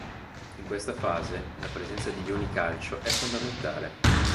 In questa fase, la presenza di ioni calcio è fondamentale.